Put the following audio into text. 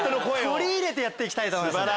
取り入れてやって行きたいと思います。